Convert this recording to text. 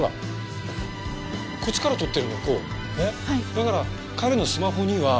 だから彼のスマホには。